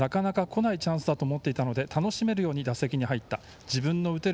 なかなかこないチャンスだと思ったので楽しめるように打席に入った。